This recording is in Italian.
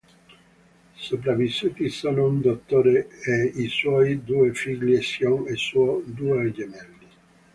Sopravvissuti sono un dottore e i suoi due figli Shion e Suo, due gemelli.